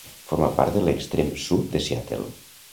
Forma part de l'extrem sud de Seattle.